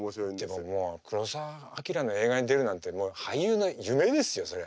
でももう黒澤明の映画に出るなんてもう俳優の夢ですよそれ。